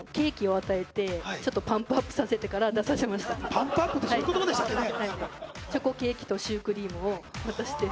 パンプアップってそういう言葉でしたっけね？